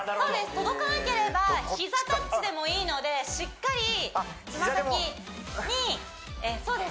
届かなければ膝タッチでもいいのでしっかりつま先にあっ膝でもそうです